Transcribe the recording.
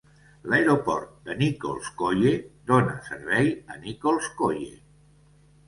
L'aeroport de Nikolskoye dona servei a Nikolskoye.